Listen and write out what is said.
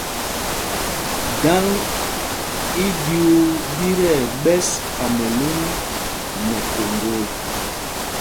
Dǎŋ í ɗyuu ɗí tí ɛɓɛs Kamɛlún nɛ Koŋgo ê.